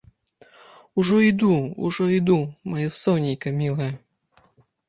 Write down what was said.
Ужо іду, ужо іду, маё сонейка мілае!